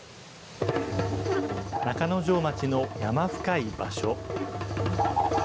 中之条町の山深い場所。